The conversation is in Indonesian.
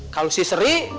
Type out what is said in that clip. kalau si seri